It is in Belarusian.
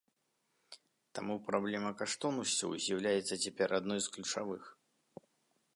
Таму праблема каштоўнасцяў з'яўляецца цяпер адной з ключавых.